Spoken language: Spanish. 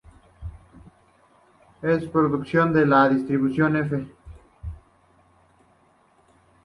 Es proporcional a la distribución "F".